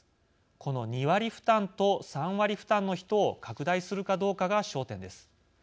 この２割負担と３割負担の人を拡大するかどうかが焦点です。